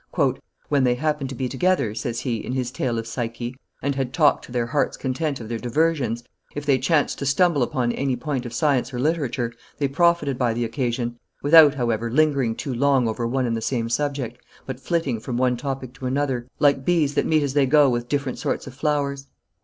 "When they happened to be together," says he, in his tale of Psyche, "and had talked to their heart's content of their diversions, if they chanced to stumble upon any point of science or literature, they profited by the occasion, without, however, lingering too long over one and the same subject, but flitting from one topic to another like bees that meet as they go with different sorts of flowers.